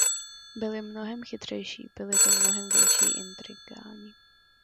Byli mnohem chytřejší, byli to mnohem větší intrikáni.